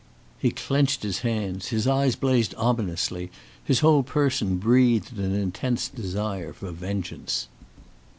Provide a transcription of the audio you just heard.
He clinched his hands, his eyes blazed ominously, his whole person breathed an intense desire for vengeance.